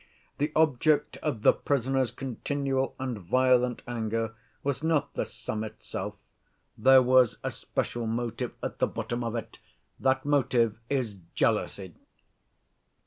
The object of the prisoner's continual and violent anger was not the sum itself; there was a special motive at the bottom of it. That motive is jealousy!"